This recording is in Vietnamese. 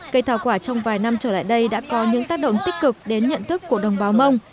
cây thảo quả trong vài năm trở lại đây đã có những tác động tích cực đến nhận thức của đồng báo mông